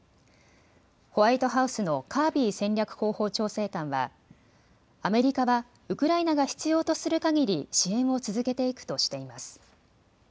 ホワイトハウスのカービー戦略広報調整官はアメリカはウクライナが必要とするかぎり支援を続けていくとしています。